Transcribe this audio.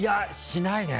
しないね。